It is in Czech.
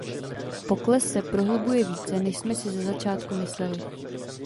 Pokles se prohlubuje více, než jsme si ze začátku mysleli.